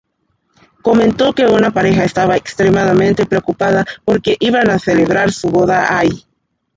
Comentó que una pareja estaba extremadamente preocupada, porque iban a celebrar su boda ahí.